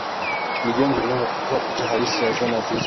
Ni jengo linatoa picha halisi ya zama zilizopita